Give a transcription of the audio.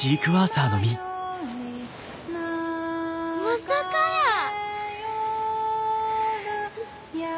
まさかやー。